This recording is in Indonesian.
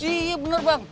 iya benar bang